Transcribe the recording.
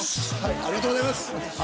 ありがとうございます。